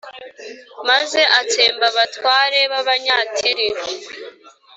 maze atsemba abatware b’Abanyatiri,